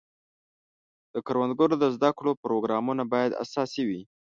د کروندګرو د زده کړو پروګرامونه باید اساسي وي.